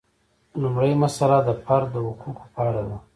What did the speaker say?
لومړۍ مسئله د فرد د حقوقو په اړه ده.